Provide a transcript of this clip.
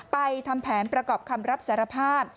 ทำแผนประกอบคำรับสารภาพ